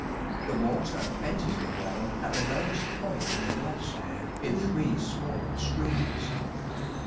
The water enters 46 the well at the lowest point from the north side in three small streams.